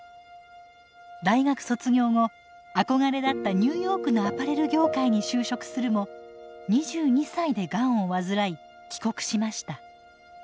大学卒業後憧れだったニューヨークのアパレル業界に就職するも２２歳でガンを患い帰国しました。